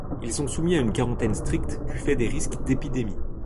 Ils sont soumis à une quarantaine stricte, du fait des risques d’épidémie.